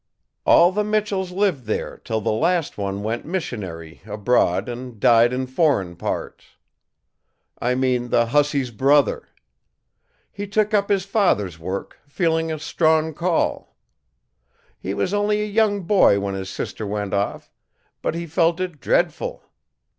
All the Michells lived there till the last one went missionary abroad an' died in foreign parts. I mean the hussy's brother. He took up his father's work, feelin' a strong call. He was only a young boy when his sister went off, but he felt it dreadful.